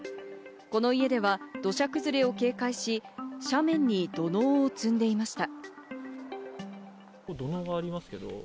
この家では土砂崩れを警戒し、斜面に土のうを積んでいました。